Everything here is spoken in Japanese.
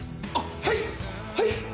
あっはい！